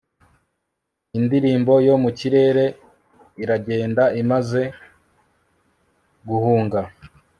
Indirimbo yo mu kirere iragenda imaze guhunga